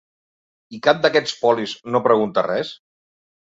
I cap d'aquests polis no pregunta res?